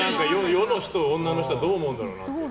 世の女の人はどう思うんだろうなって。